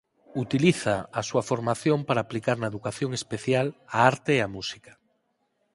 Utiliza a súa formación para aplicar na Educación Especial a arte e a música.